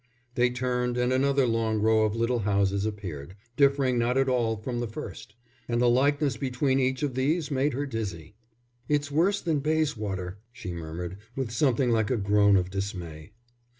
They turned, and another long row of little houses appeared, differing not at all from the first; and the likeness between each of these made her dizzy. "It's worse than Bayswater," she murmured, with something like a groan of dismay.